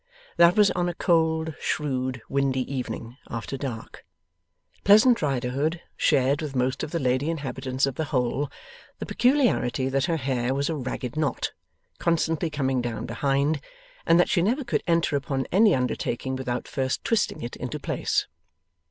That was on a cold shrewd windy evening, after dark. Pleasant Riderhood shared with most of the lady inhabitants of the Hole, the peculiarity that her hair was a ragged knot, constantly coming down behind, and that she never could enter upon any undertaking without first twisting it into place.